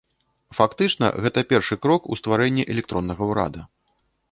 Фактычна, гэта першы крок у стварэнні электроннага ўрада.